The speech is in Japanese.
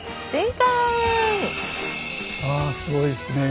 あすごいですねえ。